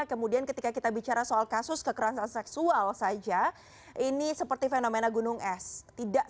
kemudian ketika kita bicara soal kasus kekerasan seksual saja ini seperti fenomena gunung es